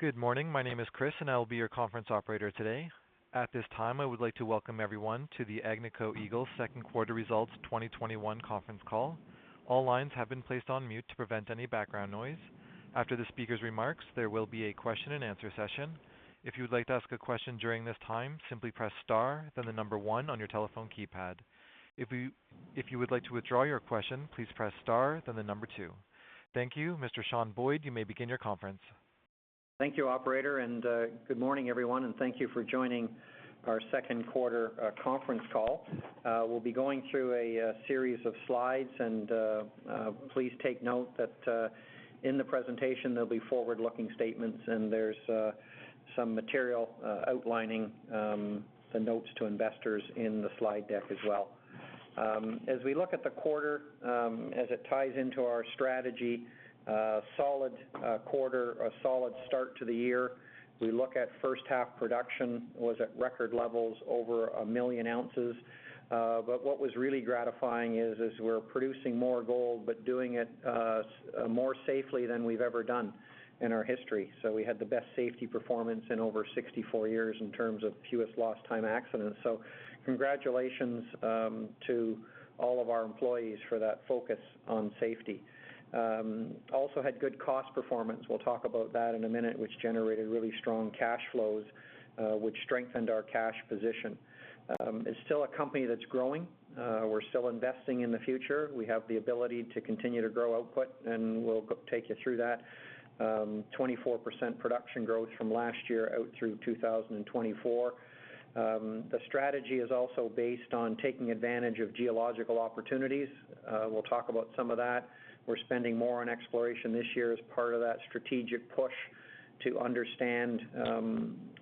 Good morning. My name is Chris, and I will be your conference operator today. At this time, I would like to welcome everyone to the Agnico Eagle second quarter results 2021 conference call. All lines have been placed on mute to prevent any background noise. After the speaker's remarks, there will be a question-and-answer session. If you would like to ask a question during this time, simply press star, then the number one on your telephone keypad. If you would like to withdraw your question, please press star, then the number two. Thank you. Mr. Sean Boyd, you may begin your conference. Thank you, operator, good morning, everyone, and thank you for joining our second quarter conference call. We'll be going through a series of slides, and please take note that in the presentation, there'll be forward-looking statements and there's some material outlining the notes to investors in the slide deck as well. As we look at the quarter, as it ties into our strategy, solid quarter, a solid start to the year. We look at first half production was at record levels over 1 million oz. What was really gratifying is we're producing more gold but doing it more safely than we've ever done in our history. We had the best safety performance in over 64 years in terms of fewest lost time accidents. Congratulations to all of our employees for that focus on safety. Also had good cost performance, we'll talk about that in a minute, which generated really strong cash flows, which strengthened our cash position. It's still a company that's growing. We're still investing in the future. We have the ability to continue to grow output, we'll take you through that. 24% production growth from last year out through 2024. The strategy is also based on taking advantage of geological opportunities. We'll talk about some of that. We're spending more on exploration this year as part of that strategic push to understand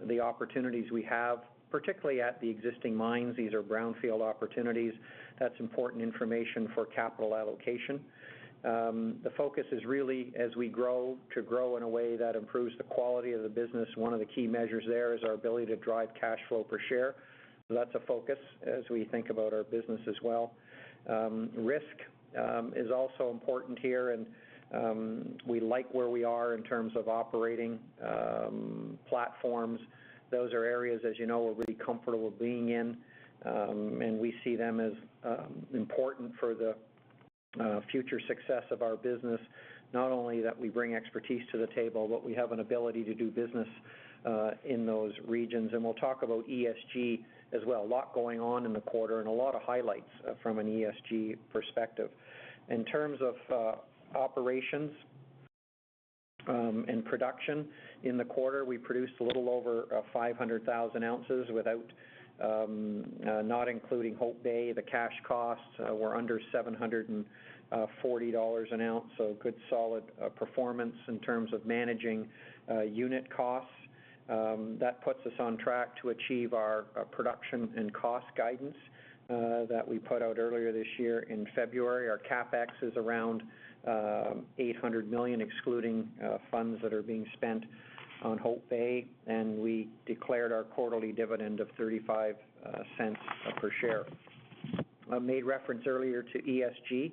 the opportunities we have, particularly at the existing mines. These are brownfield opportunities. That's important information for capital allocation. The focus is really as we grow, to grow in a way that improves the quality of the business. One of the key measures there is our ability to drive cash flow per share. That's a focus as we think about our business as well. Risk is also important here, and we like where we are in terms of operating platforms. Those are areas, as you know, we're really comfortable being in, and we see them as important for the future success of our business, not only that we bring expertise to the table, but we have an ability to do business in those regions, and we'll talk about ESG as well. A lot going on in the quarter and a lot of highlights from an ESG perspective. In terms of operations and production in the quarter, we produced a little over 500,000 oz not including Hope Bay. The cash costs were under $740 an ounce, good solid performance in terms of managing unit costs. That puts us on track to achieve our production and cost guidance that we put out earlier this year in February. Our CapEx is around 800 million, excluding funds that are being spent on Hope Bay, and we declared our quarterly dividend of 0.35 per share. I made reference earlier to ESG,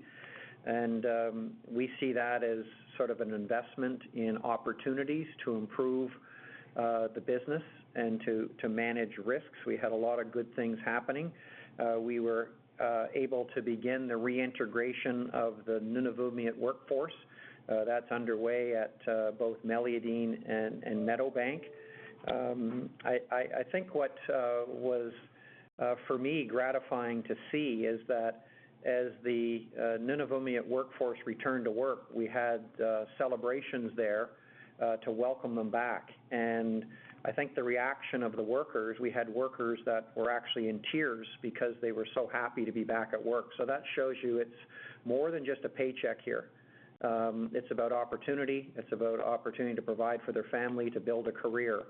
and we see that as sort of an investment in opportunities to improve the business and to manage risks. We had a lot of good things happening. We were able to begin the reintegration of the Nunavummiut workforce. That's underway at both Meliadine and Meadowbank. I think what was, for me, gratifying to see is that as the Nunavummiut workforce returned to work, we had celebrations there to welcome them back. I think the reaction of the workers, we had workers that were actually in tears because they were so happy to be back at work. That shows you it's more than just a paycheck here. It's about opportunity. It's about opportunity to provide for their family, to build a career.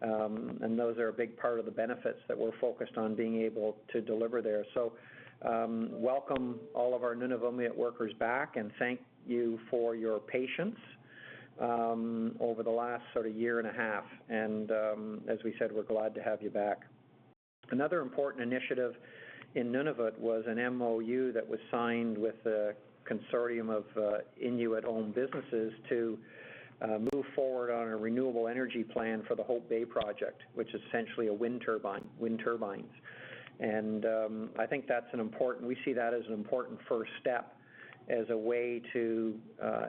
Those are a big part of the benefits that we're focused on being able to deliver there. Welcome all of our Nunavummiut workers back, and thank you for your patience over the last sort of year and a half. As we said, we're glad to have you back. Another important initiative in Nunavut was an MOU that was signed with a consortium of Inuit-owned businesses to move forward on a renewable energy plan for the Hope Bay Project, which is essentially wind turbines. We see that as an important first step as a way to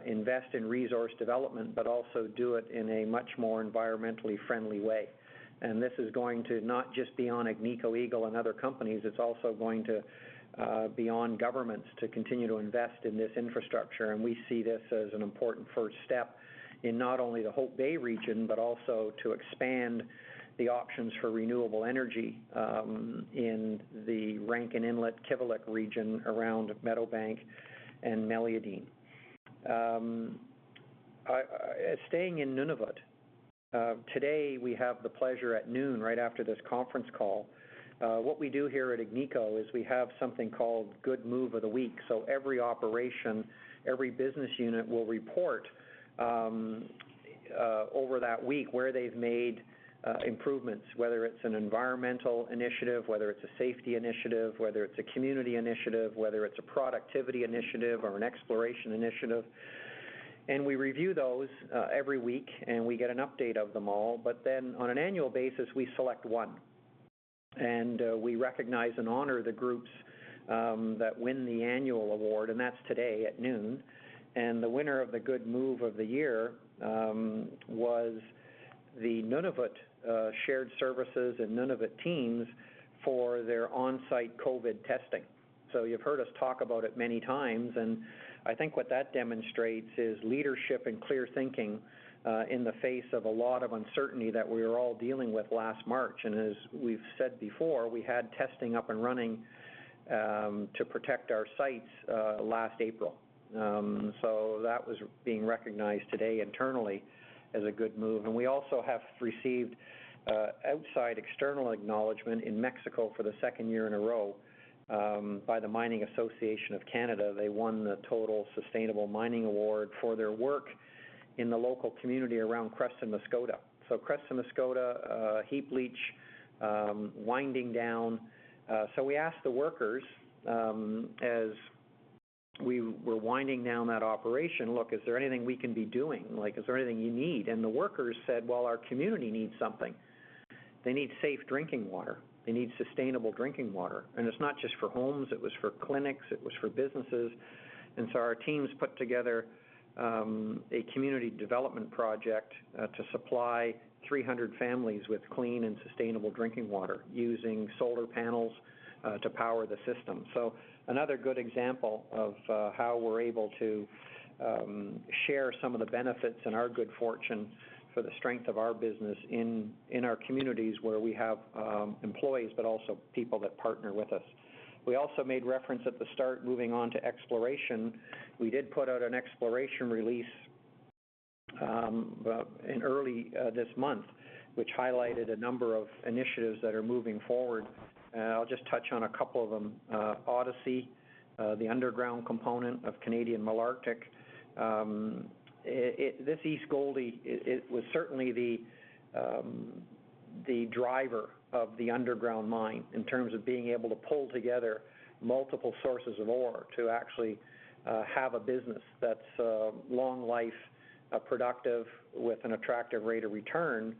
invest in resource development, but also do it in a much more environmentally friendly way. This is going to not just be on Agnico Eagle and other companies, it's also going to be on governments to continue to invest in this infrastructure. We see this as an important first step in not only the Hope Bay region, but also to expand the options for renewable energy in the Rankin Inlet-Kivalliq region around Meadowbank and Meliadine. Staying in Nunavut, today we have the pleasure at noon, right after this conference call. What we do here at Agnico is we have something called Good Move of the Week. Every operation, every business unit will report over that week where they've made improvements, whether it's an environmental initiative, whether it's a safety initiative, whether it's a community initiative, whether it's a productivity initiative, or an exploration initiative. We review those every week, and we get an update of them all. On an annual basis, we select one, and we recognize and honor the groups that win the annual award, and that's today at noon. The winner of the Good Move of the Year was the Nunavut Shared Services and Nunavut teams for their on-site COVID testing. You've heard us talk about it many times, and I think what that demonstrates is leadership and clear thinking in the face of a lot of uncertainty that we were all dealing with last March. As we've said before, we had testing up and running to protect our sites last April. That was being recognized today internally as a good move. We also have received outside external acknowledgment in Mexico for the second year in a row by the Mining Association of Canada. They won the Towards Sustainable Mining Award for their work in the local community around Creston Mascota. Creston Mascota, heap leach winding down. We asked the workers as we were winding down that operation, Look, is there anything we can be doing? Is there anything you need? The workers said, Well, our community needs something. They need safe drinking water. They need sustainable drinking water. It's not just for homes, it was for clinics, it was for businesses. Our teams put together a community development project to supply 300 families with clean and sustainable drinking water using solar panels to power the system. Another good example of how we're able to share some of the benefits and our good fortune for the strength of our business in our communities where we have employees, but also people that partner with us. We also made reference at the start, moving on to exploration. We did put out an exploration release early this month, which highlighted a number of initiatives that are moving forward. I'll just touch on a couple of them. Odyssey, the underground component of Canadian Malartic. This East Gouldie, it was certainly the driver of the underground mine in terms of being able to pull together multiple sources of ore to actually have a business that's long life, productive, with an attractive rate of return.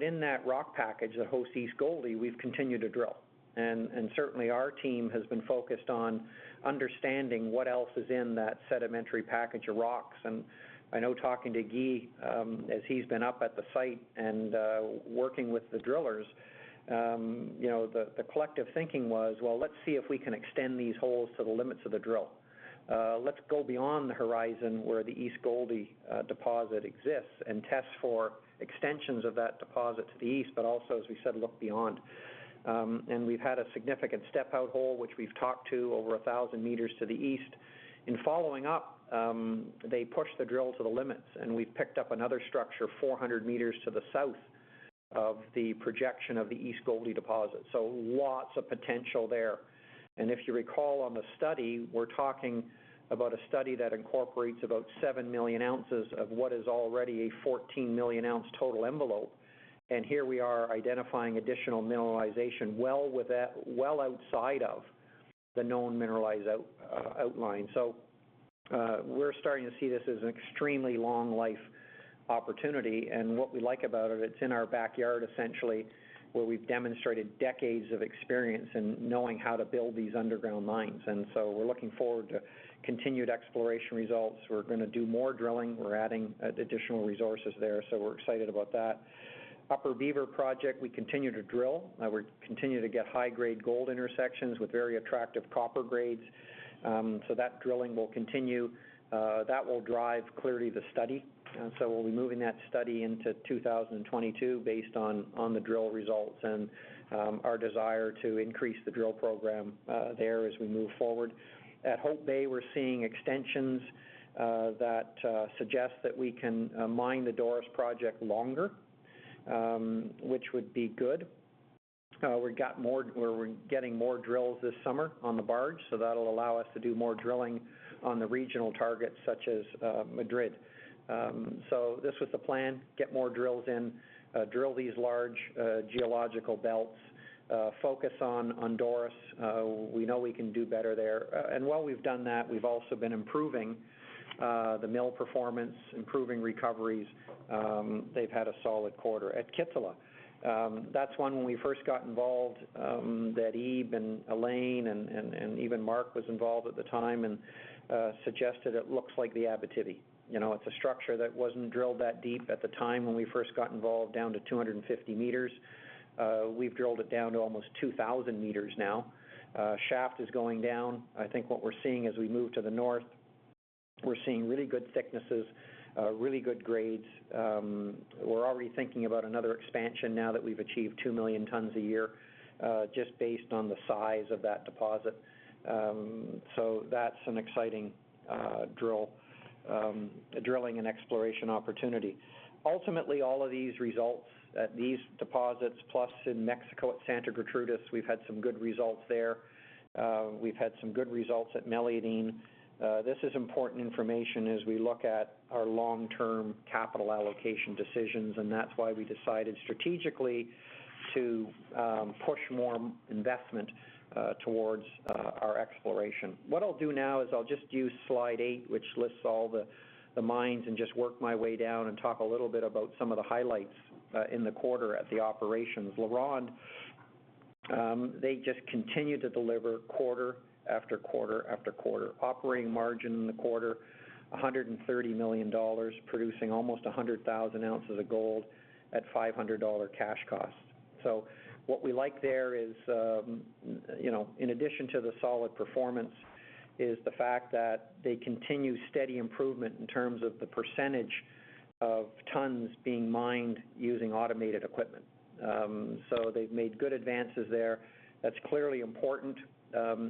In that rock package that hosts East Gouldie, we've continued to drill and certainly our team has been focused on understanding what else is in that sedimentary package of rocks. I know talking to Guy as he's been up at the site and working with the drillers, the collective thinking was, well, let's see if we can extend these holes to the limits of the drill. Let's go beyond the horizon where the East Gouldie deposit exists and test for extensions of that deposit to the east, but also, as we said, look beyond. We've had a significant step-out hole, which we've talked to over 1,000 m to the east. In following up, they pushed the drill to the limits, and we've picked up another structure 400 m to the south of the projection of the East Gouldie deposit. Lots of potential there. If you recall on the study, we're talking about a study that incorporates about 7 million oz of what is already a 14-million-oz total envelope. Here we are identifying additional mineralization well outside of the known mineralized outline. We're starting to see this as an extremely long life opportunity, and what we like about it's in our backyard essentially, where we've demonstrated decades of experience in knowing how to build these underground mines. We're looking forward to continued exploration results. We're going to do more drilling. We're adding additional resources there. We're excited about that. Upper Beaver project, we continue to drill. We continue to get high-grade gold intersections with very attractive copper grades. That drilling will continue. That will drive clearly the study. We'll be moving that study into 2022 based on the drill results and our desire to increase the drill program there as we move forward. At Hope Bay, we're seeing extensions that suggest that we can mine the Doris project longer, which would be good. That'll allow us to do more drilling on the regional targets such as Madrid. This was the plan, get more drills in, drill these large geological belts, focus on Doris. We know we can do better there. While we've done that, we've also been improving the mill performance, improving recoveries. They've had a solid quarter. At Kittilä, that's one when we first got involved that Yves and Alain and even Marc was involved at the time and suggested it looks like the Abitibi. It's a structure that wasn't drilled that deep at the time when we first got involved down to 250 m. We've drilled it down to almost 2,000 m now. Shaft is going down. I think what we're seeing as we move to the north, we're seeing really good thicknesses, really good grades. We're already thinking about another expansion now that we've achieved 2 million tons a year just based on the size of that deposit. That's an exciting drilling and exploration opportunity. Ultimately, all of these results at these deposits, plus in Mexico at Santa Gertrudis, we've had some good results there. We've had some good results at Meliadine. This is important information as we look at our long-term capital allocation decisions, and that's why we decided strategically to push more investment towards our exploration. What I'll do now is I'll just use slide eight, which lists all the mines, and just work my way down and talk a little bit about some of the highlights in the quarter at the operations. LaRonde, they just continue to deliver quarter, after quarter, after quarter. Operating margin in the quarter, $130 million, producing almost 100,000 oz of gold at $500 cash cost. What we like there is, in addition to the solid performance, is the fact that they continue steady improvement in terms of the percentage of tons being mined using automated equipment. They've made good advances there. That's clearly important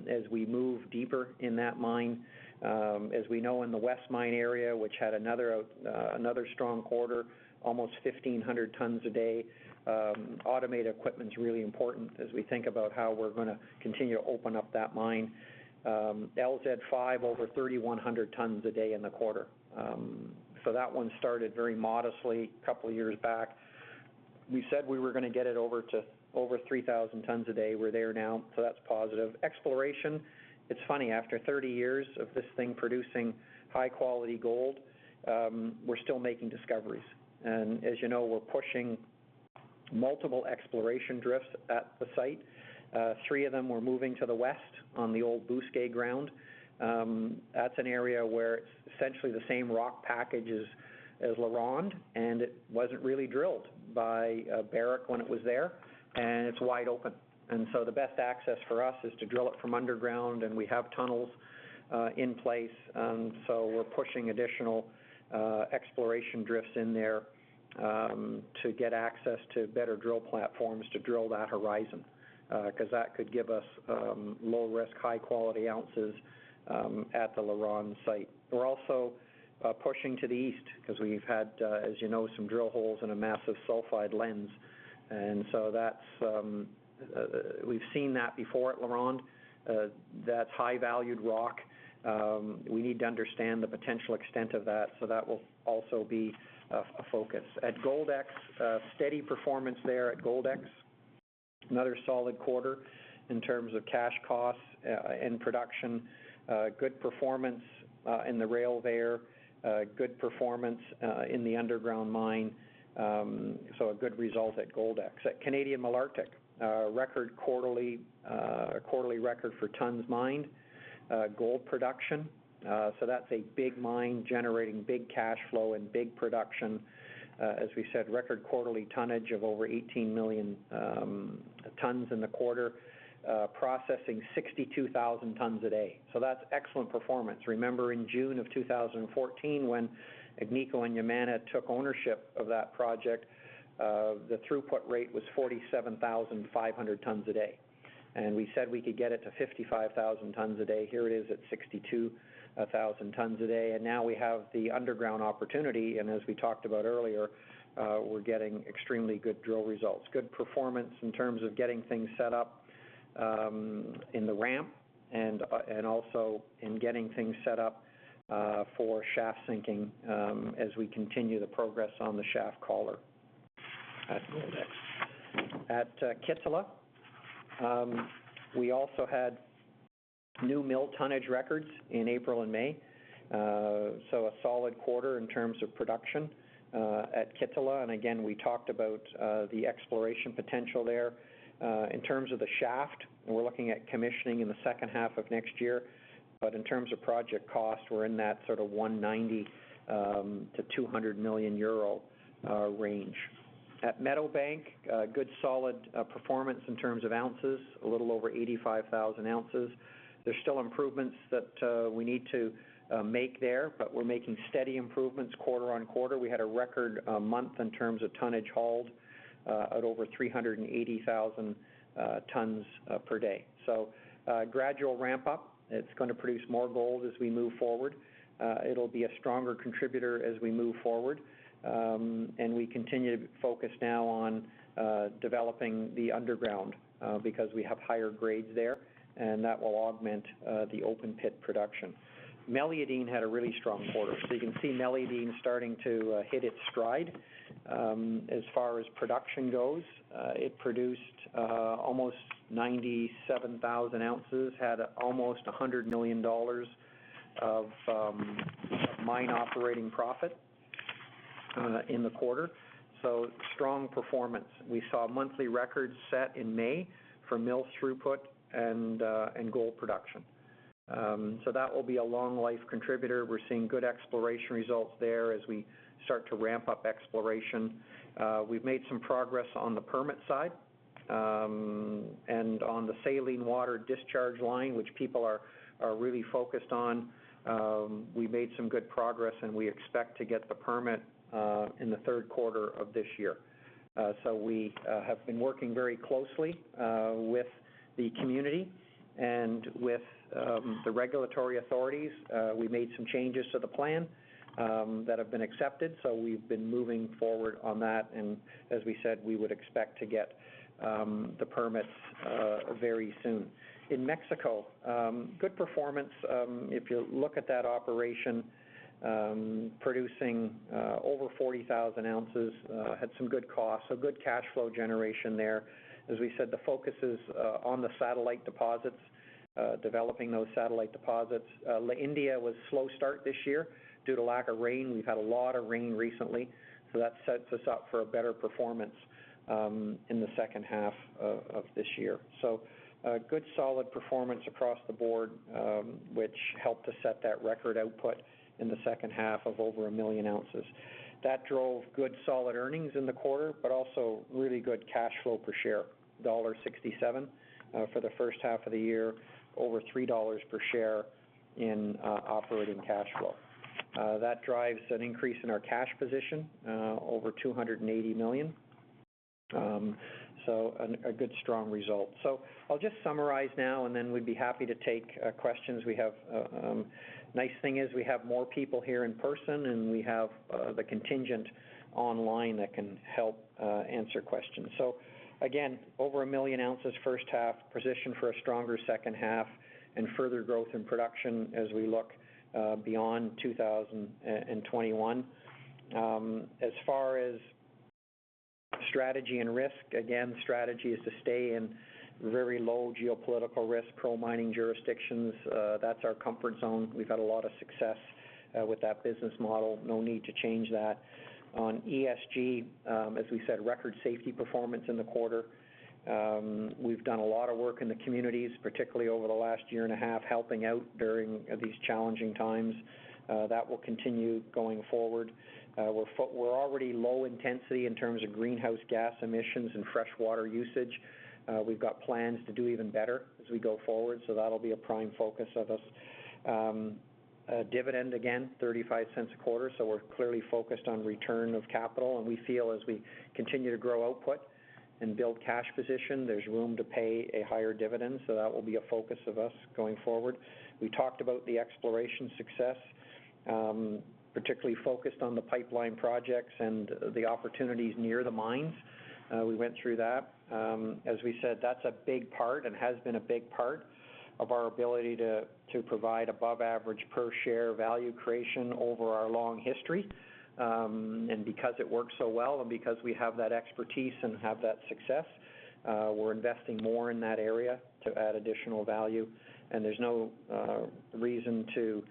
as we move deeper in that mine. As we know, in the West Mine Area, which had another strong quarter, almost 1,500 tons a day, automated equipment's really important as we think about how we're going to continue to open up that mine. LZ5, over 3,100 tons a day in the quarter. That one started very modestly two years back. We said we were going to get it to over 3,000 tons a day. We're there now, so that's positive. Exploration, it's funny, after 30 years of this thing producing high-quality gold, we're still making discoveries. As you know, we're pushing multiple exploration drifts at the site. Three of them were moving to the west on the old Bousquet ground. That's an area where it's essentially the same rock package as LaRonde, and it wasn't really drilled by Barrick when it was there, and it's wide open. The best access for us is to drill it from underground, and we have tunnels in place. We're pushing additional exploration drifts in there to get access to better drill platforms to drill that horizon, because that could give us low-risk, high-quality oz at the LaRonde site. We're also pushing to the east because we've had, as you know, some drill holes and a massive sulfide lens. We've seen that before at LaRonde. That's high-valued rock. We need to understand the potential extent of that. That will also be a focus. At Goldex, steady performance there at Goldex. Another solid quarter in terms of cash costs and production. Good performance in the rail there. Good performance in the underground mine. A good result at Goldex. At Canadian Malartic, a quarterly record for tons mined, gold production. That's a big mine generating big cash flow and big production. As we said, record quarterly tonnage of over 18 million tons in the quarter, processing 62,000 tons a day. That's excellent performance. Remember in June of 2014 when Agnico and Yamana took ownership of that project, the throughput rate was 47,500 tons a day, and we said we could get it to 55,000 tons a day. Here it is at 62,000 tons a day. Now we have the underground opportunity. As we talked about earlier, we're getting extremely good drill results. Good performance in terms of getting things set up in the ramp and also in getting things set up for shaft sinking as we continue the progress on the shaft collar at Goldex. At Kittilä, we also had new mill tonnage records in April and May. A solid quarter in terms of production at Kittilä. Again, we talked about the exploration potential there. In terms of the shaft, we're looking at commissioning in the second half of next year. In terms of project cost, we're in that sort of 190 million-200 million euro range. At Meadowbank, good solid performance in terms of ounces, a little over 85,000 oz. There's still improvements that we need to make there, but we're making steady improvements quarter on quarter. We had a record month in terms of tonnage hauled at over 380,000 tons per day. Gradual ramp-up. It's going to produce more gold as we move forward. It'll be a stronger contributor as we move forward. We continue to focus now on developing the underground because we have higher grades there, and that will augment the open-pit production. Meliadine had a really strong quarter. You can see Meliadine starting to hit its stride as far as production goes. It produced almost 97,000 oz, had almost $100 million of mine operating profit in the quarter, so strong performance. We saw monthly records set in May for mill throughput and gold production. That will be a long life contributor. We're seeing good exploration results there as we start to ramp up exploration. We've made some progress on the permit side and on the saline water discharge line, which people are really focused on. We made some good progress, and we expect to get the permit in the third quarter of this year. We have been working very closely with the community and with the regulatory authorities. We made some changes to the plan that have been accepted, so we've been moving forward on that, and as we said, we would expect to get the permits very soon. In Mexico, good performance. If you look at that operation, producing over 40,000 oz, had some good costs, so good cash flow generation there. As we said, the focus is on the satellite deposits, developing those satellite deposits. India was a slow start this year due to lack of rain. We've had a lot of rain recently, that sets us up for a better performance in the second half of this year. A good solid performance across the board, which helped to set that record output in the second half of over 1 million oz. That drove good solid earnings in the quarter, but also really good cash flow per share, $1.67 for the first half of the year, over $3 per share in operating cash flow. That drives an increase in our cash position, over 280 million. A good strong result. I'll just summarize now, and then we'd be happy to take questions. Nice thing is we have more people here in person, and we have the contingent online that can help answer questions. Again, over 1 million oz first half, positioned for a stronger second half, and further growth in production as we look beyond 2021. As far as strategy and risk, again, strategy is to stay in very low geopolitical risk pro-mining jurisdictions. That's our comfort zone. We've had a lot of success with that business model. No need to change that. On ESG, as we said, record safety performance in the quarter. We've done a lot of work in the communities, particularly over the last year and a half, helping out during these challenging times. That will continue going forward. We're already low intensity in terms of greenhouse gas emissions and fresh water usage. We've got plans to do even better as we go forward. That'll be a prime focus of us. Dividend, again, 0.35 a quarter. We're clearly focused on return of capital, and we feel as we continue to grow output and build cash position, there's room to pay a higher dividend. That will be a focus of us going forward. We talked about the exploration success, particularly focused on the pipeline projects and the opportunities near the mines. We went through that. As we said, that's a big part and has been a big part of our ability to provide above average per share value creation over our long history. Because it works so well and because we have that expertise and have that success, we're investing more in that area to add additional value, and there's no reason to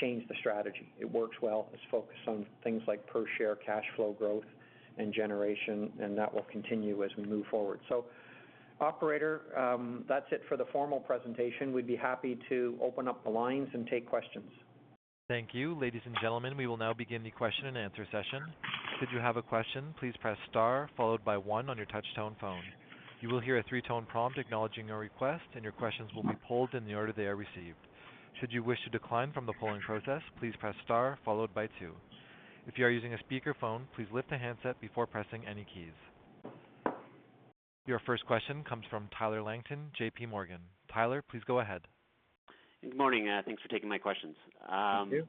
change the strategy. It works well. It's focused on things like per share cash flow growth and generation, and that will continue as we move forward. Operator, that's it for the formal presentation. We'd be happy to open up the lines and take questions. Your first question comes from Tyler Langton, JPMorgan. Tyler, please go ahead. Good morning. Thanks for taking my questions. Thank you.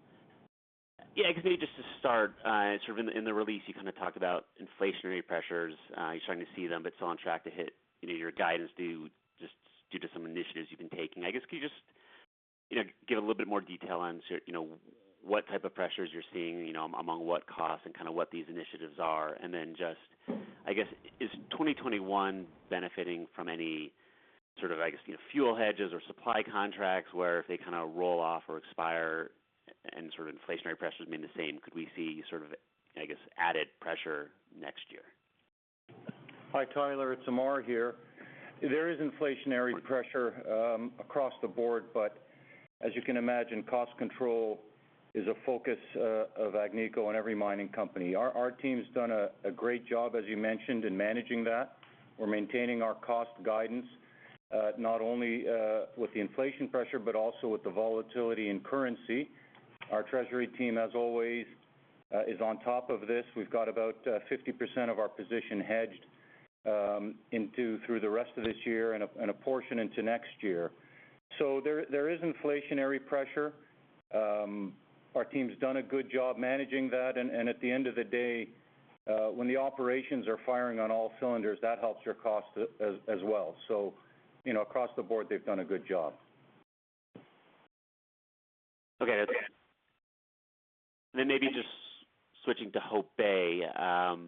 Yeah, I guess maybe just to start, sort of in the release you kind of talked about inflationary pressures. You're starting to see them, but still on track to hit your guidance due to some initiatives you've been taking. I guess, could you just give a little bit more detail on what type of pressures you're seeing, among what costs and kind of what these initiatives are? Then just, I guess, is 2021 benefiting from any sort of fuel hedges or supply contracts where if they kind of roll off or expire and inflationary pressures remain the same, could we see added pressure next year? Hi, Tyler, it's Ammar here. There is inflationary pressure across the board. As you can imagine, cost control is a focus of Agnico and every mining company. Our team's done a great job, as you mentioned, in managing that. We're maintaining our cost guidance, not only with the inflation pressure, but also with the volatility in currency. Our treasury team, as always, is on top of this. We've got about 50% of our position hedged through the rest of this year and a portion into next year. There is inflationary pressure. Our team's done a good job managing that, and at the end of the day, when the operations are firing on all cylinders, that helps your cost as well. Across the board, they've done a good job. Okay, that's maybe just switching to Hope Bay. I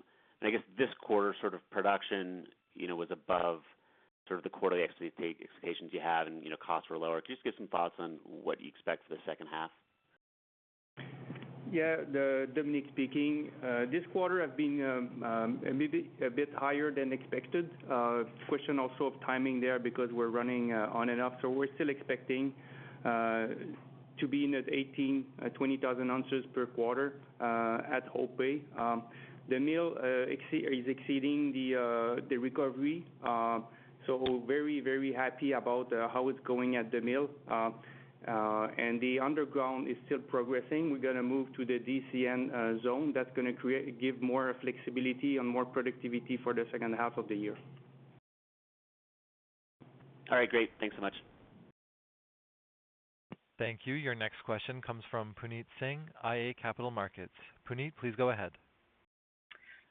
guess this quarter sort of production was above the quarterly expectations you had and costs were lower. Could you just give some thoughts on what you expect for the second half? Yeah. Dominique speaking. This quarter has been maybe a bit higher than expected. Question also of timing there because we're running on and off. We're still expecting to be in that 18,000 oz, 20,000 oz per quarter at Hope Bay. The mill is exceeding the recovery. Very happy about how it's going at the mill. The underground is still progressing. We're going to move to the DCN zone. That's going to give more flexibility and more productivity for the second half of the year. All right, great. Thanks so much. Thank you. Your next question comes from Puneet Singh, iA Capital Markets. Puneet, please go ahead.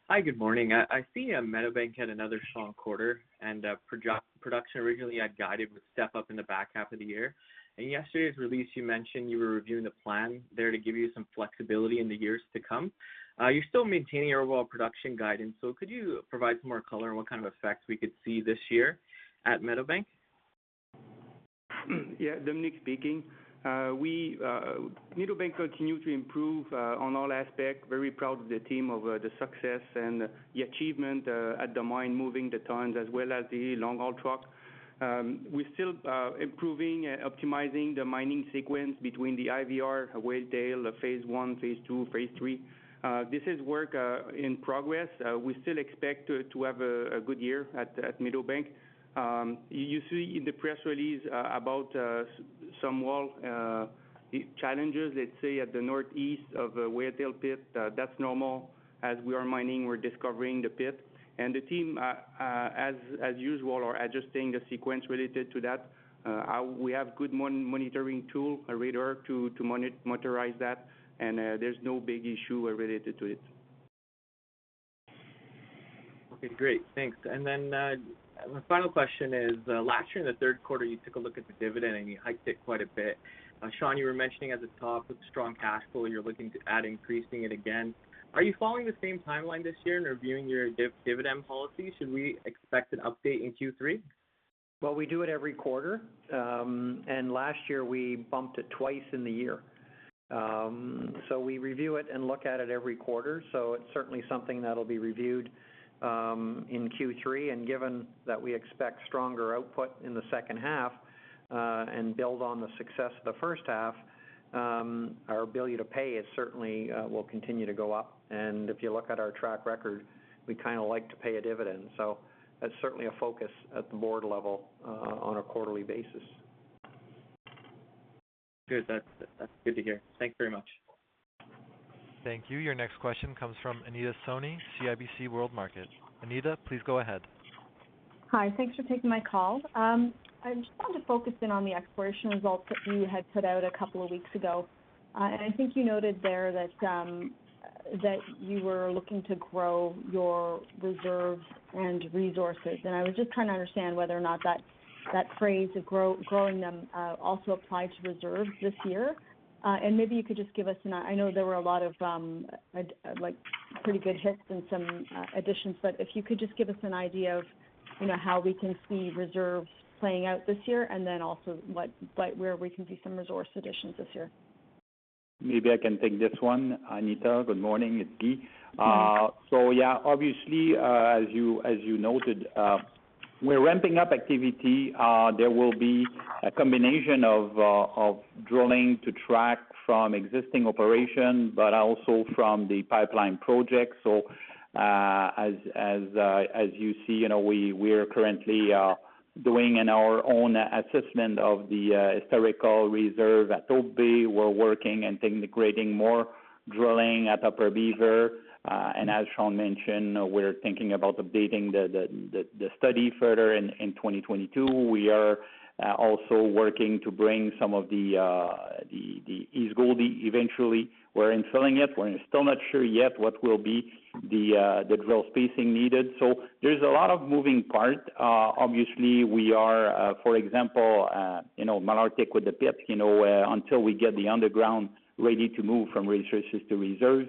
Hi. Good morning. I see Meadowbank had another strong quarter and production originally had guided with step up in the back half of the year. In yesterday's release, you mentioned you were reviewing the plan there to give you some flexibility in the years to come. You're still maintaining your overall production guidance, so could you provide some more color on what kind of effects we could see this year at Meadowbank? Yeah. Dominique speaking. Meadowbank continue to improve on all aspect. Very proud of the team of the success and the achievement at the mine, moving the tons as well as the long-haul truck. We're still improving, optimizing the mining sequence between the IVR, Whale Tail, phase I, phase II, phase III. This is work in progress. We still expect to have a good year at Meadowbank. You see in the press release about some wall challenges, let's say at the northeast of Whale Tail pit. That's normal. As we are mining, we're discovering the pit. The team, as usual, are adjusting the sequence related to that. We have good monitoring tool, a radar, to monitor that, and there's no big issue related to it. Okay, great. Thanks. Then my final question is, last year in the third quarter, you took a look at the dividend, and you hiked it quite a bit. Sean, you were mentioning at the top, with strong cash flow, you're looking to at increasing it again. Are you following the same timeline this year in reviewing your dividend policy? Should we expect an update in Q3? Well, we do it every quarter. Last year, we bumped it twice in the year. We review it and look at it every quarter, so it's certainly something that'll be reviewed in Q3. Given that we expect stronger output in the second half, and build on the success of the first half, our ability to pay certainly will continue to go up. If you look at our track record, we kind of like to pay a dividend. That's certainly a focus at the board level on a quarterly basis. Good. That's good to hear. Thanks very much. Thank you. Your next question comes from Anita Soni, CIBC World Markets. Anita, please go ahead. Hi. Thanks for taking my call. I just wanted to focus in on the exploration results that you had put out a couple of weeks ago. I think you noted there that you were looking to grow your reserves and resources. I was just trying to understand whether or not that phrase of growing them also applied to reserves this year. Maybe you could just give us an idea of how we can see reserves playing out this year, and then also where we can see some resource additions this year. Maybe I can take this one, Anita. Good morning, it's Guy. Good morning. Yeah, obviously, as you noted, we're ramping up activity. There will be a combination of drilling to track from existing operation, but also from the pipeline project. As you see, we're currently doing our own assessment of the historical reserve at Hope Bay. We're working and integrating more drilling at Upper Beaver. As Sean mentioned, we're thinking about updating the study further in 2022. We are also working to bring some of the East Gouldie eventually. We're infilling it. We're still not sure yet what will be the drill spacing needed. There's a lot of moving part. Obviously, we are, for example Malartic with the pit. Until we get the underground ready to move from resources to reserve,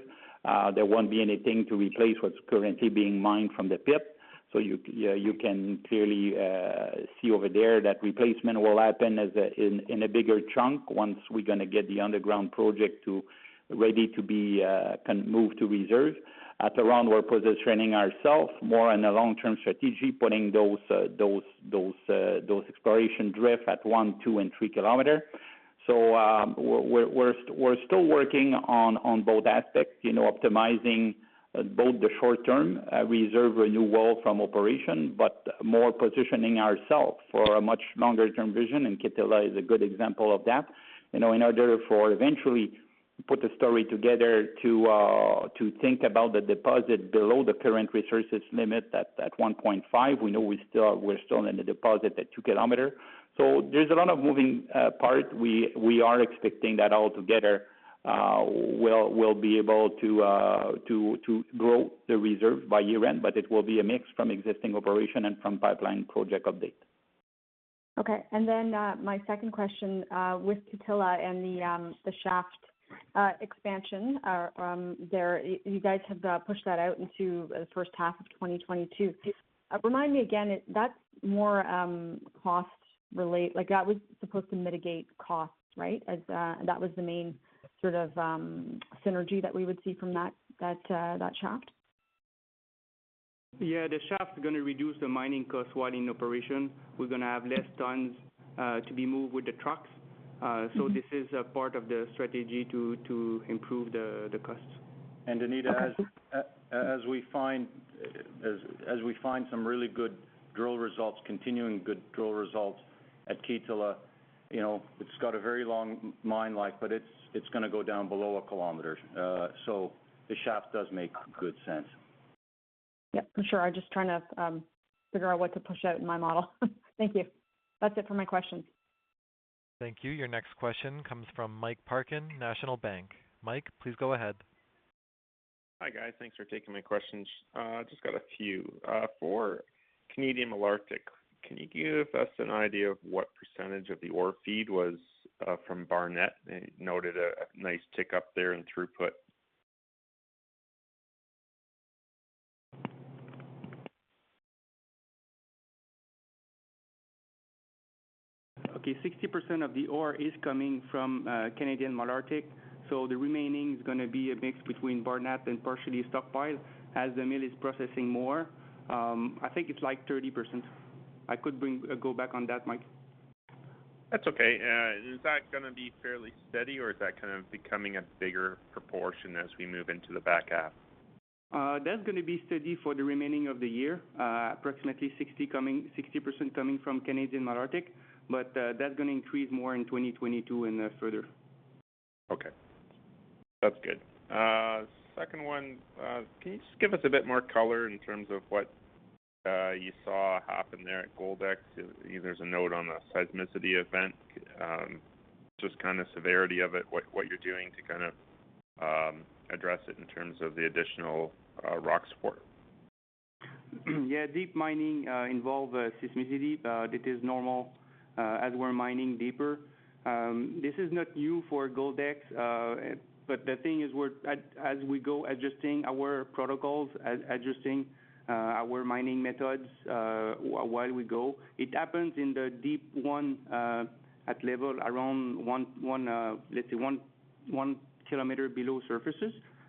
there won't be anything to replace what's currently being mined from the pit. You can clearly see over there that replacement will happen in a bigger chunk once we're going to get the underground project ready to be moved to reserve. At LaRonde, we're positioning ourselves more in a long-term strategy, putting those exploration drift at 1 km, 2 km, and 3 km. We're still working on both aspects, optimizing both the short-term reserve renewal from operation, but more positioning ourselves for a much longer-term vision, and Kittilä is a good example of that. In order to eventually put the story together to think about the deposit below the current resources limit at 1.5. We know we're still in the deposit at 2 km. There's a lot of moving parts. We are expecting that all together, we'll be able to grow the reserve by year-end, but it will be a mix from existing operation and from pipeline project update. Okay, my second question. With Kittilä and the shaft expansion, you guys have pushed that out into the first half of 2022. Remind me again, that's more cost like that was supposed to mitigate costs, right? That was the main sort of synergy that we would see from that shaft? Yeah, the shaft's going to reduce the mining cost while in operation. We're going to have less tons to be moved with the trucks. This is a part of the strategy to improve the costs. Anita, as we find some really good drill results, continuing good drill results at Kittilä, it's got a very long mine life. It's going to go down below a kilometer. The shaft does make good sense. Yep, for sure. I'm just trying to figure out what to push out in my model. Thank you. That's it for my questions. Thank you. Your next question comes from Mike Parkin, National Bank. Mike, please go ahead. Hi, guys. Thanks for taking my questions. Just got a few. For Canadian Malartic, can you give us an idea of what % of the ore feed was from Barnat? Noted a nice tick up there in throughput. Okay, 60% of the ore is coming from Canadian Malartic, so the remaining is going to be a mix between Barnat and partially stockpile, as the mill is processing more. I think it's, like, 30%. I could go back on that, Mike. That's okay. Is that going to be fairly steady, or is that kind of becoming a bigger proportion as we move into the back half? That's going to be steady for the remaining of the year. Approximately 60% coming from Canadian Malartic. That's going to increase more in 2022 and further. Okay. That's good. Second one, can you just give us a bit more color in terms of what you saw happen there at Goldex? There's a note on the seismicity event. Just kind of severity of it, what you're doing to address it in terms of the additional rock support. Yeah, deep mining involves seismicity. It is normal as we're mining deeper. This is not new for Goldex. The thing is, as we go adjusting our protocols, adjusting our mining methods while we go, it happens in the deep one, at level around 1 km below surface.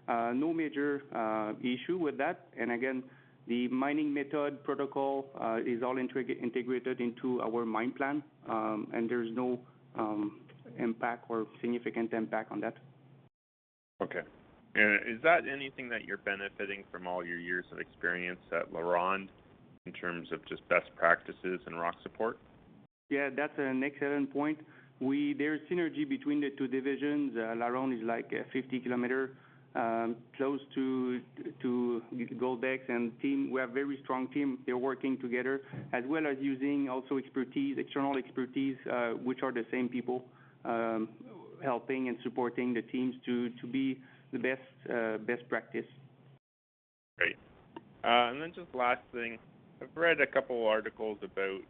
No major issue with that. Again, the mining method protocol is all integrated into our mine plan, and there's no impact or significant impact on that. Okay. Is that anything that you're benefiting from all your years of experience at LaRonde in terms of just best practices and rock support? Yeah, that's an excellent point. There's synergy between the two divisions. LaRonde is, like, 50 km close to Goldex, and we have very strong team. They're working together, as well as using also expertise, external expertise, which are the same people, helping and supporting the teams to be the best practice. Great. Just last thing, I've read a couple articles about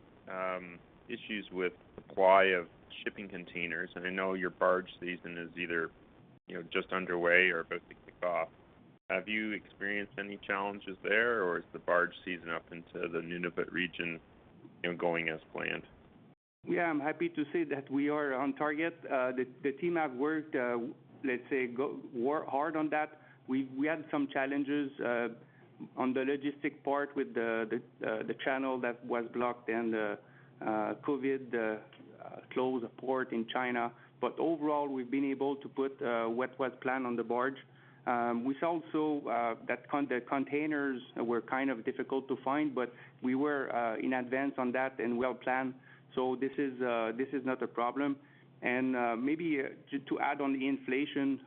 issues with supply of shipping containers, and I know your barge season is either just underway or about to kick off. Have you experienced any challenges there, or is the barge season up into the Nunavut region going as planned? Yeah, I'm happy to say that we are on target. The team have worked, let's say, hard on that. We had some challenges on the logistic part with the channel that was blocked and the COVID closed port in China. Overall, we've been able to put what was planned on the barge. We saw also that containers were kind of difficult to find, but we were in advance on that and well-planned. This is not a problem. Maybe to add on the inflation,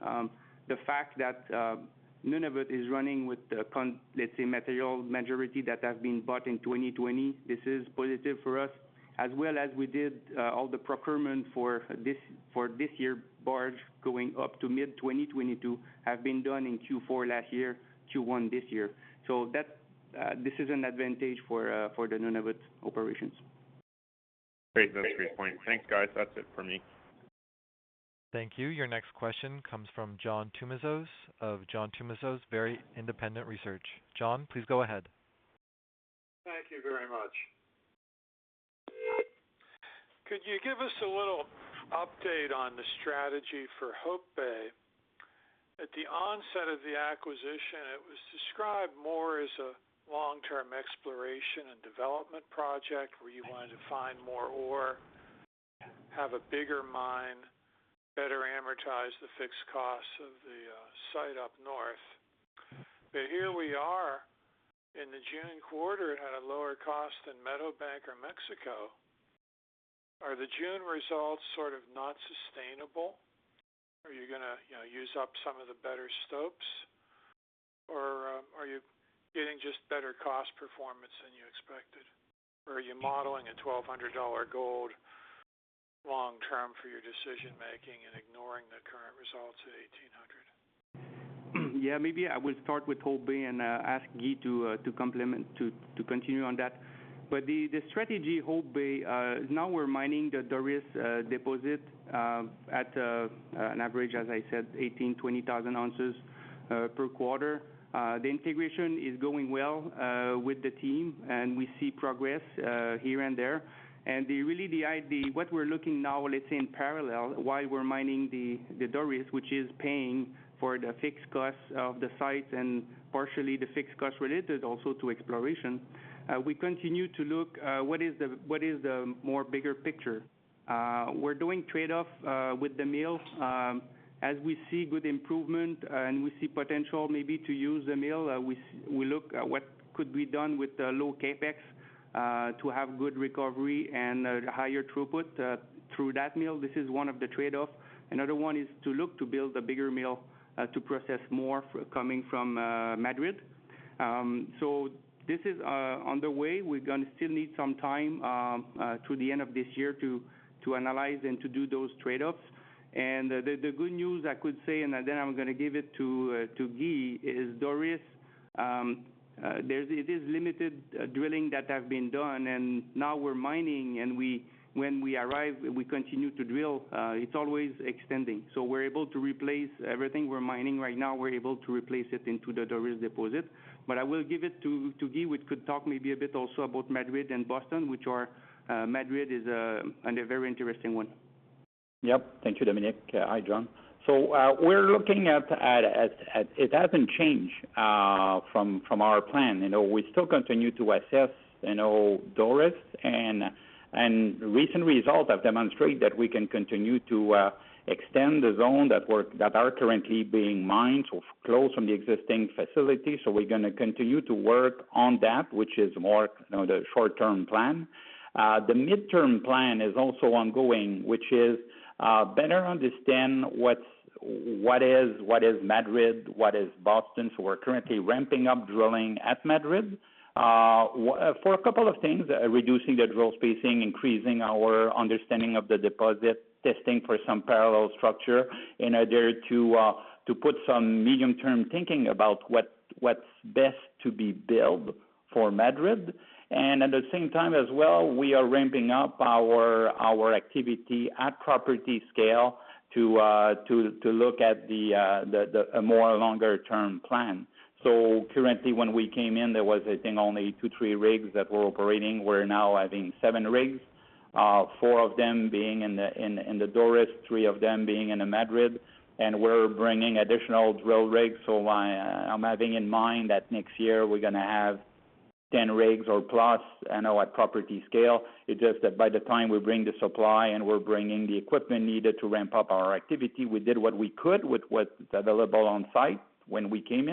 the fact that Nunavut is running with the material majority that has been bought in 2020, this is positive for us, as well as we did all the procurement for this year barge going up to mid-2022, have been done in Q4 last year, Q1 this year. This is an advantage for the Nunavut operations. Great. That's a great point. Thanks, guys. That's it for me. Thank you. Your next question comes from John Tumazos of John Tumazos Very Independent Research. John, please go ahead. Thank you very much. Could you give us a little update on the strategy for Hope Bay? At the onset of the acquisition, it was described more as a long-term exploration and development project where you wanted to find more ore, have a bigger mine, better amortize the fixed costs of the site up north. Here we are. In the June quarter, it had a lower cost than Meadowbank or Mexico. Are the June results sort of not sustainable? Are you going to use up some of the better stopes, or are you getting just better cost performance than you expected? Are you modeling a 1,200 dollar gold long term for your decision making and ignoring the current results at CAD 1,800? Yeah, maybe I will start with Hope Bay and ask Guy to continue on that. The strategy Hope Bay, now we're mining the Doris deposit at an average, as I said, 18,000 oz-20,000 oz per quarter. The integration is going well with the team, and we see progress here and there. Really, what we're looking now, let's say in parallel, while we're mining the Doris, which is paying for the fixed cost of the site and partially the fixed cost related also to exploration. We continue to look what is the more bigger picture. We're doing trade-off with the mill. As we see good improvement and we see potential maybe to use the mill, we look at what could be done with the low CapEx to have good recovery and higher throughput through that mill. This is one of the trade-offs. Another one is to look to build a bigger mill to process more coming from Madrid. This is underway. We're going to still need some time through the end of this year to analyze and to do those trade-offs. The good news I could say, and then I'm going to give it to Guy, is Doris. It is limited drilling that have been done, and now we're mining, and when we arrive, we continue to drill. It's always extending. We're able to replace everything we're mining right now, we're able to replace it into the Doris deposit. I will give it to Guy, which could talk maybe a bit also about Madrid and Boston. Madrid is a very interesting one. Yep. Thank you, Dominique. Hi, John. It hasn't changed from our plan. We still continue to assess Doris, and recent results have demonstrated that we can continue to extend the zone that are currently being mined, so close from the existing facility. We're going to continue to work on that, which is more the short-term plan. The mid-term plan is also ongoing, which is better understand what is Madrid, what is Boston. We're currently ramping up drilling at Madrid for a couple of things, reducing the drill spacing, increasing our understanding of the deposit, testing for some parallel structure in order to put some medium-term thinking about what's best to be built for Madrid. At the same time as well, we are ramping up our activity at property scale to look at a more longer-term plan. Currently when we came in, there was, I think, only two, three rigs that were operating. We're now having seven rigs, four of them being in the Doris, three of them being in the Madrid. We're bringing additional drill rigs. I'm having in mind that next year we're going to have 10 rigs or plus at property scale. It's just that by the time we bring the supply and we're bringing the equipment needed to ramp up our activity, we did what we could with what's available on site when we came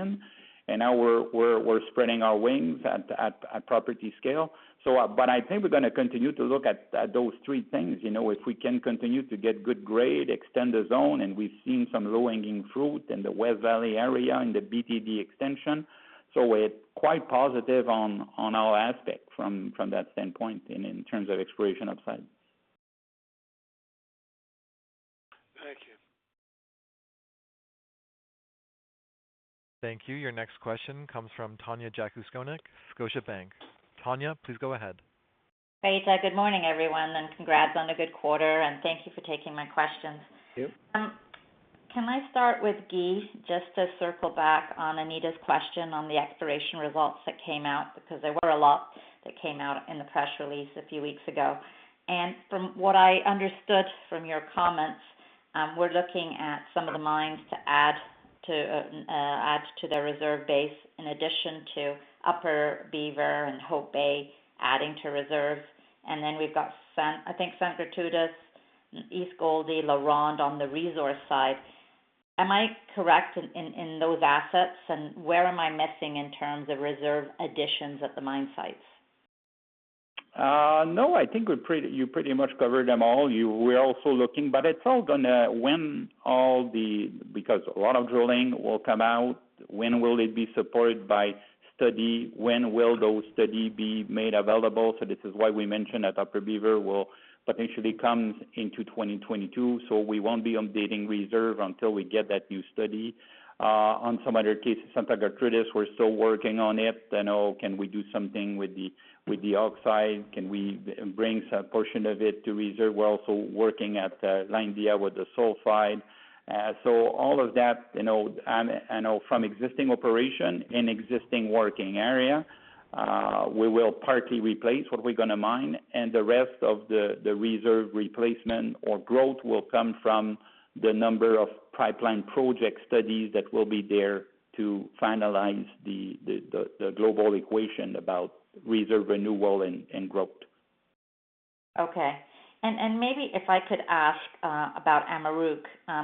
in. Now we're spreading our wings at property scale. I think we're going to continue to look at those three things. If we can continue to get good grade, extend the zone, and we've seen some low-hanging fruit in the West Valley area, in the BTD extension. We're quite positive on our aspect from that standpoint and in terms of exploration upside. Thank you. Thank you. Your next question comes from Tanya Jakusconek, Scotiabank. Tanya, please go ahead. Great. Good morning, everyone, and congrats on a good quarter, and thank you for taking my questions. Thank you. Can I start with Guy, just to circle back on Anita's question on the exploration results that came out, because there were a lot that came out in the press release a few weeks ago. From what I understood from your comments, we're looking at some of the mines to add to the reserve base in addition to Upper Beaver and Hope Bay adding to reserve. Then we've got, I think, Santa Gertrudis, East Gouldie, LaRonde on the resource side. Am I correct in those assets, and where am I missing in terms of reserve additions at the mine sites? No, I think you pretty much covered them all. It's all going to, when all the, because a lot of drilling will come out, when will it be supported by study? When will those study be made available? This is why we mentioned that Upper Beaver will potentially come into 2022, so we won't be updating reserve until we get that new study. On some other cases, Santa Gertrudis, we're still working on it. Can we do something with the oxide? Can we bring some portion of it to reserve? We're also working at La India with the sulfide. All of that, from existing operations in existing working area, we will partly replace what we're going to mine, and the rest of the reserve replacement or growth will come from the number of pipeline project studies that will be there to finalize the global equation about reserve renewal and growth. Okay. Maybe if I could ask about Amaruq.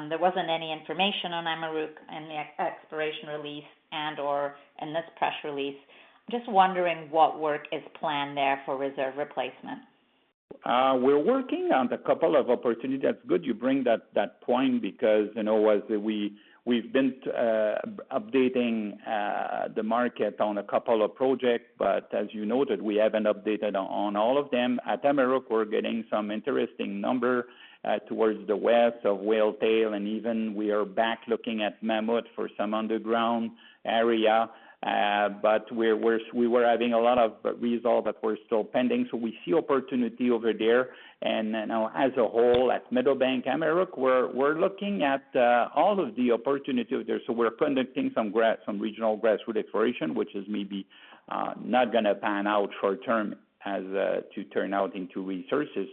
There wasn't any information on Amaruq in the exploration release and/or in this press release. I'm just wondering what work is planned there for reserve replacement. We're working on a couple of opportunities. That's good you bring that point because, as we've been updating the market on a couple of projects, but as you noted, we haven't updated on all of them. At Amaruq, we're getting some interesting number towards the west of Whale Tail, and even we are back looking at Mammoth for some underground area. We were having a lot of result that were still pending. We see opportunity over there. Now as a whole, at Meadowbank Amaruq, we're looking at all of the opportunities there. We're conducting some regional grassroots exploration, which is maybe not going to pan out short term as to turn out into resources.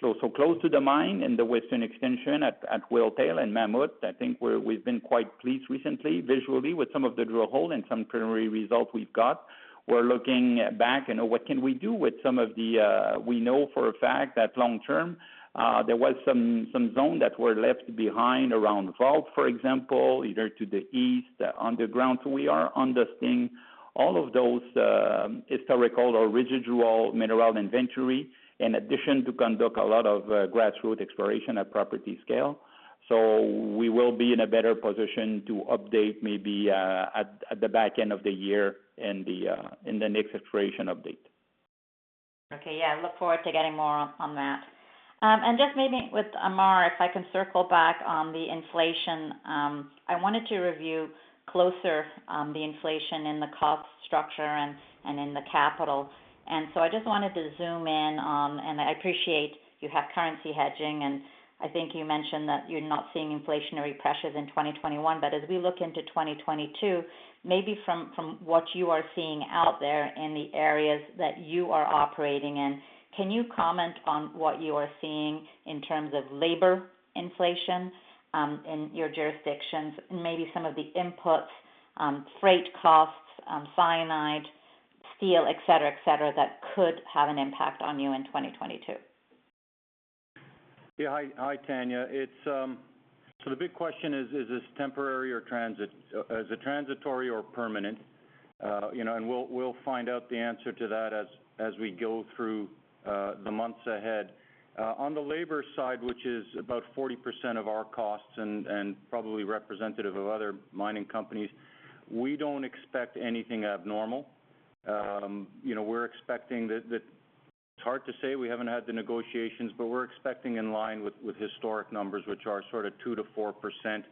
Close to the mine in the western extension at Whale Tail and Mammoth, I think we've been quite pleased recently, visually, with some of the drill hole and some preliminary results we've got. We're looking back and we know for a fact that long term, there was some zone that were left behind around Vault, for example, either to the east, underground. We are understanding all of those historical or residual mineral inventory, in addition to conduct a lot of grassroots exploration at property scale. We will be in a better position to update maybe at the back end of the year in the next exploration update. Okay. Yeah, I look forward to getting more on that. Just maybe with Ammar, if I can circle back on the inflation. I wanted to review closer the inflation in the cost structure and in the capital. I just wanted to zoom in, and I appreciate you have currency hedging, and I think you mentioned that you're not seeing inflationary pressures in 2021. As we look into 2022, maybe from what you are seeing out there in the areas that you are operating in, can you comment on what you are seeing in terms of labor inflation in your jurisdictions and maybe some of the inputs, freight costs, cyanide, steel, et cetera, that could have an impact on you in 2022? Yeah. Hi, Tanya. The big question is this temporary or transitory or permanent? We'll find out the answer to that as we go through the months ahead. On the labor side, which is about 40% of our costs and probably representative of other mining companies, we don't expect anything abnormal. It's hard to say, we haven't had the negotiations, we're expecting in line with historic numbers, which are sort of 2%-4%.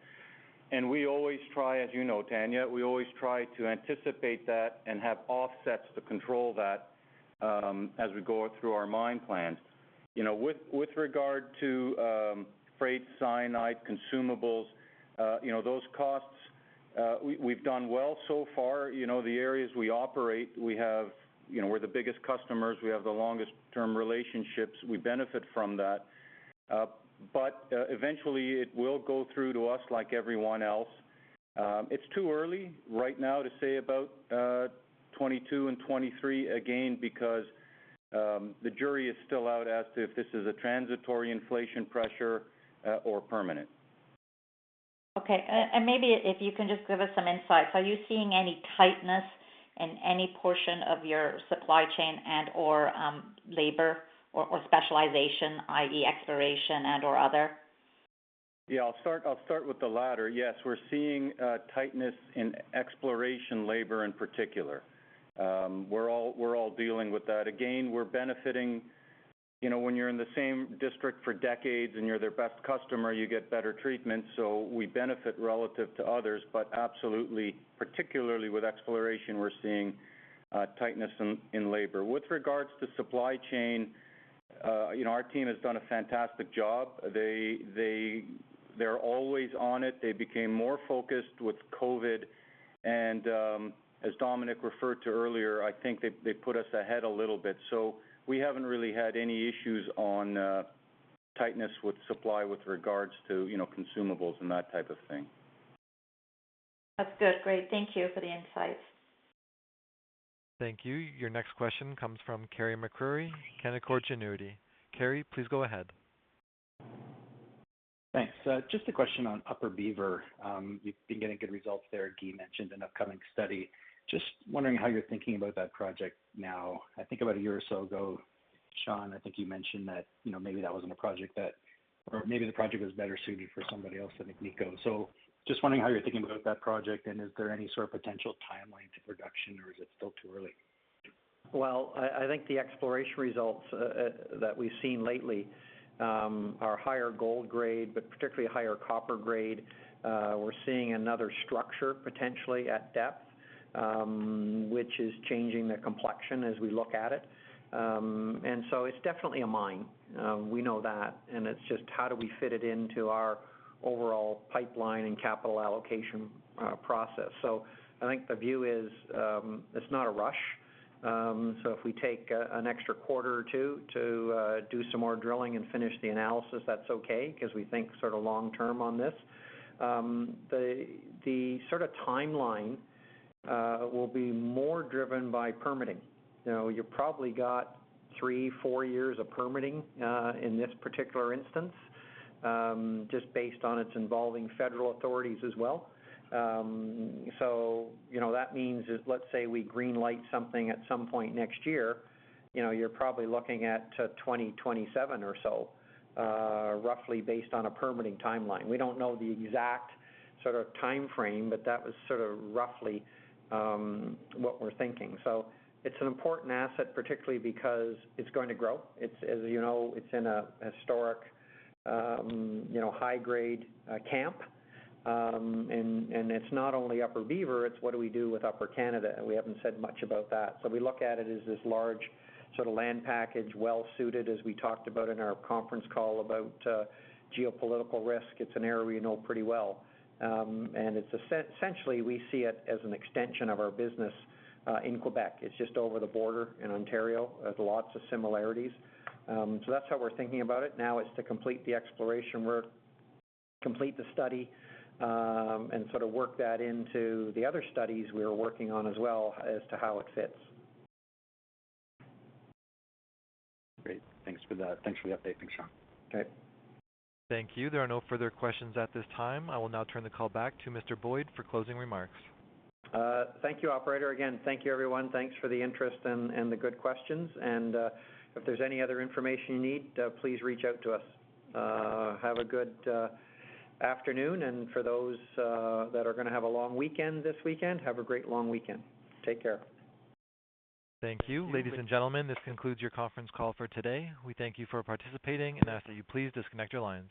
We always try, as you know, Tanya, we always try to anticipate that and have offsets to control that as we go through our mine plans. With regard to freight, cyanide, consumables, those costs, we've done well so far. The areas we operate, we're the biggest customers, we have the longest-term relationships. We benefit from that. Eventually, it will go through to us like everyone else. It's too early right now to say about 2022 and 2023, again, because the jury is still out as to if this is a transitory inflation pressure or permanent. Okay. Maybe if you can just give us some insights. Are you seeing any tightness in any portion of your supply chain and/or labor or specialization, i.e. exploration and/or other? I'll start with the latter. Yes, we're seeing tightness in exploration labor in particular. We're all dealing with that. We're benefiting, when you're in the same district for decades and you're their best customer, you get better treatment. We benefit relative to others, but absolutely, particularly with exploration, we're seeing tightness in labor. With regards to supply chain, our team has done a fantastic job. They're always on it. They became more focused with COVID, and as Dominique referred to earlier, I think they put us ahead a little bit. We haven't really had any issues on tightness with supply with regards to consumables and that type of thing. That's good. Great. Thank you for the insights. Thank you. Your next question comes from Carey MacRury, Canaccord Genuity. Carey, please go ahead. Thanks. Just a question on Upper Beaver. You've been getting good results there. Guy mentioned an upcoming study. Just wondering how you're thinking about that project now. I think about a year or so ago, Sean, I think you mentioned that maybe the project was better suited for somebody else than Agnico. Just wondering how you're thinking about that project, and is there any sort of potential timeline to production, or is it still too early? Well, I think the exploration results that we've seen lately are higher gold grade, but particularly higher copper grade. We're seeing another structure potentially at depth, which is changing the complexion as we look at it. It's definitely a mine. We know that, and it's just how do we fit it into our overall pipeline and capital allocation process. I think the view is it's not a rush. If we take an extra quarter or two to do some more drilling and finish the analysis, that's okay, because we think sort of long term on this. The sort of timeline will be more driven by permitting. You've probably got three, four years of permitting in this particular instance, just based on its involving federal authorities as well. That means is, let's say we green light something at some point next year, you're probably looking at 2027 or so, roughly based on a permitting timeline. We don't know the exact sort of time frame, but that was sort of roughly what we're thinking. It's an important asset, particularly because it's going to grow. As you know, it's in a historic high grade camp. It's not only Upper Beaver, it's what do we do with Upper Canada? We haven't said much about that. We look at it as this large sort of land package, well-suited, as we talked about in our conference call about geopolitical risk. It's an area we know pretty well. Essentially, we see it as an extension of our business in Quebec. It's just over the border in Ontario. There's lots of similarities. That's how we're thinking about it. Now it's to complete the exploration work, complete the study, and sort of work that into the other studies we are working on as well as to how it fits. Great. Thanks for that. Thanks for the update. Thanks, Sean. Okay. Thank you. There are no further questions at this time. I will now turn the call back to Mr. Boyd for closing remarks. Thank you, operator. Again, thank you everyone. Thanks for the interest and the good questions. If there's any other information you need, please reach out to us. Have a good afternoon, and for those that are going to have a long weekend this weekend, have a great long weekend. Take care. Thank you. Ladies and gentlemen, this concludes your conference call for today. We thank you for participating and ask that you please disconnect your lines.